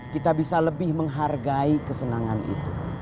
kita bisa lebih menghargai kesenangan itu